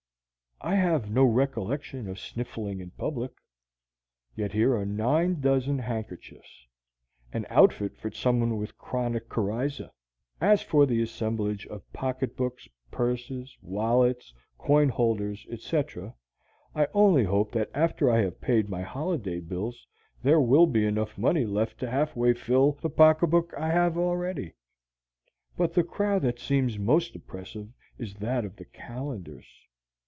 I have no recollection of sniffling, in public; yet here are nine dozen handkerchiefs, an outfit for someone with chronic coryza. As for the assemblage of pocketbooks, purses, wallets, coin holders, etc., I only hope that after I have paid my holiday bills there will be enough money left to half way fill the pocketbook I have already. But the crowd that seems most oppressive is that of the calendars.